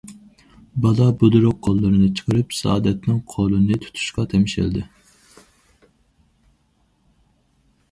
بالا بۇدرۇق قوللىرىنى چىقىرىپ، سائادەتنىڭ قولىنى تۇتۇشقا تەمشەلدى.